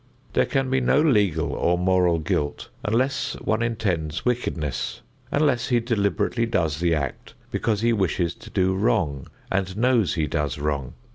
There can be no legal or moral guilt unless one intends wickedness; unless he deliberately does the act because he wishes to do wrong and knows he does wrong.